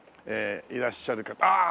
いらっしゃる方ああ！